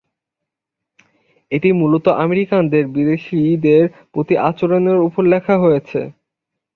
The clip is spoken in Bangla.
এটি মূলত আমেরিকানদের বিদেশিদের প্রতি আচরণের উপর লেখা হয়েছে।